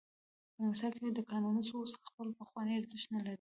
په انګلستان کې کانالونو اوس خپل پخوانی ارزښت نلري.